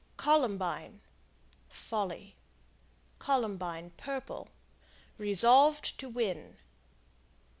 Columbine Folly. Columbine, Purple Resolved to win.